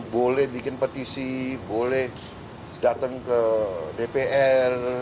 boleh bikin petisi boleh datang ke dpr